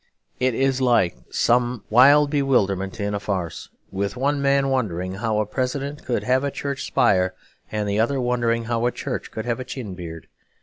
It is like some wild bewilderment in a farce, with one man wondering how a President could have a church spire, and the other wondering how a church could have a chin beard.